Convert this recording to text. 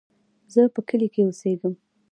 زه په کابل کې اوسېږم.